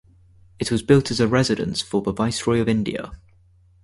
It was built as a residence for the Viceroy of India.